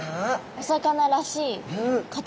お魚らしい形。